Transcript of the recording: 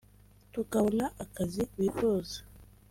Kutabona akazi bifuza